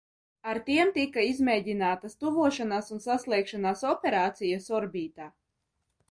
Ar tiem tika izmēģinātas tuvošanās un saslēgšanās operācijas orbītā.